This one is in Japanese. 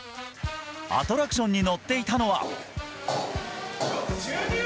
アトラクションに乗っていたのは。